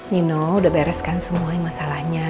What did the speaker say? nino udah beres kan semuanya masalahnya